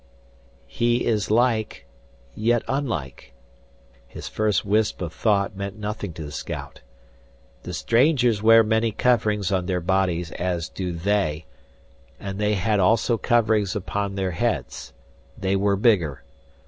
"He is like yet unlike" his first wisp of thought meant nothing to the scout. "The strangers wear many coverings on their bodies as do they, and they had also coverings upon their heads. They were bigger.